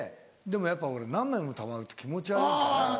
でもやっぱ何枚もたまると気持ち悪いから。